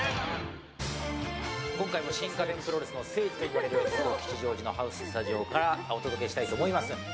今回も新家電プロレスの聖地といわれている吉祥寺のハウススタジオからお届けしたいと思います。